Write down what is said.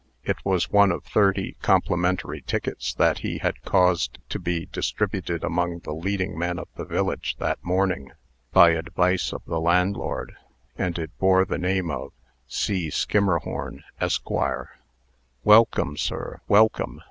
It was one of thirty complimentary tickets that he had caused to be distributed among the leading men of the village that morning, by advice of the landlord; and it bore the name of "C. Skimmerhorn, Esq." "Welcome, sir, welcome!"